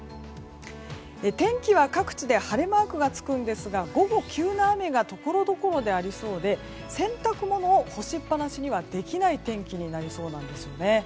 天気は各地で晴れマークがつくんですが午後、急な雨がところどころでありそうで洗濯物を干しっぱなしにはできない天気になりそうなんですね。